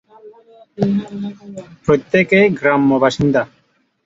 প্রত্যেকেই গ্রাম্য বাসিন্দা।